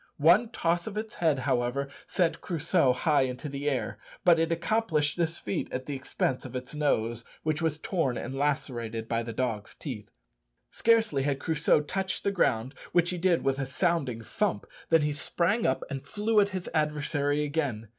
One toss of its head, however, sent Crusoe high into the air; but it accomplished this feat at the expense of its nose, which was torn and lacerated by the dog's teeth. Scarcely had Crusoe touched the ground, which he did with a sounding thump, than he sprang up and flew at his adversary again.